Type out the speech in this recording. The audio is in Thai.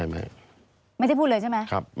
ไม่ได้พูดเลยใช่ไหม